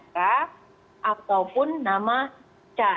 lalu terbukti juga sampai oleh menteri an bahwa tidak ada lintasan atas nama joko chandra